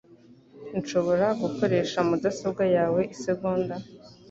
Nshobora gukoresha mudasobwa yawe isegonda?